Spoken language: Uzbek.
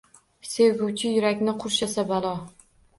Sevguvchi yurakni qurshasa balo?